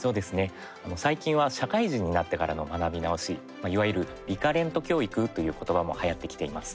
最近は社会人になってからの学び直し、いわゆるリカレント教育という言葉もはやってきています。